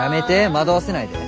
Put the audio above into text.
惑わせないで。